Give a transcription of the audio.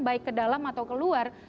baik ke dalam atau keluar